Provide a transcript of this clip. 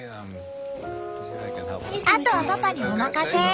あとはパパにお任せ。